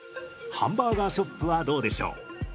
ハンバーガーショップはどうでしょう。